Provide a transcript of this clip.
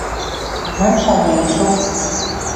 Анан шаяэшок